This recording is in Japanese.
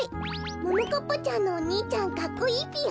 ももかっぱちゃんのお兄ちゃんかっこいいぴよ。